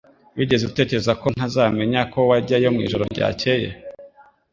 Wigeze utekereza ko ntazamenya ko wajyayo mwijoro ryakeye?